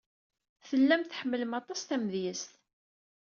Tellam tḥemmlem aṭas tamedyazt.